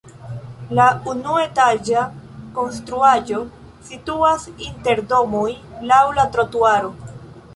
La unuetaĝa konstruaĵo situas inter domoj laŭ la trotuaro.